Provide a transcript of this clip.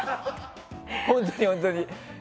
本当に、本当に。